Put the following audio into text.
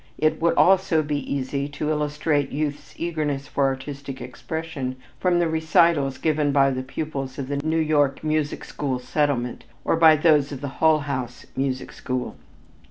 It would also be easy to illustrate youth's eagerness for artistic expression from the recitals given by the pupils of the New York Music School Settlement, or by those of the Hull House Music School.